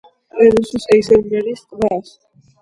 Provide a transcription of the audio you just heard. ერთვის ეისელმერის ტბას.